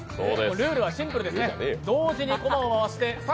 ルールはシンプルですね。